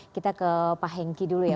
kita ke pak hengki dulu ya